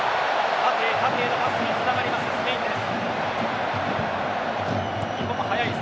縦へ縦へのパスがつながりましたスペインです。